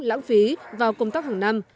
lãng phí vào công tác hằng năm